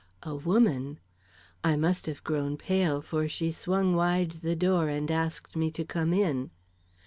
A woman! I must have grown pale, for she swung wide the door and asked me to come in.